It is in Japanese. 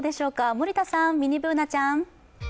森田さん、ミニＢｏｏｎａちゃん。